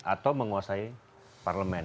atau menguasai parlemen